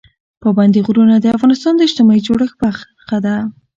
پابندي غرونه د افغانستان د اجتماعي جوړښت برخه ده.